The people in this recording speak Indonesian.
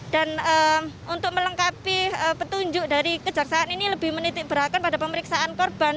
dan untuk melengkapi petunjuk dari kejar saat ini lebih menitik berakan pada pemeriksaan korban